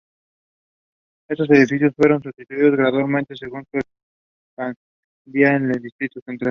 Estos edificios fueron sustituidos gradualmente según se expandía el distrito Central.